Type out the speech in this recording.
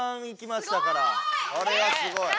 これはすごい。